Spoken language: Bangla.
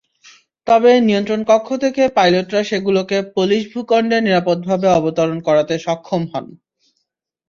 তবে নিয়ন্ত্রণকক্ষ থেকে পাইলটরা সেগুলোকে পোলিশ ভূখণ্ডে নিরাপদভাবে অবতরণ করাতে সক্ষম হন।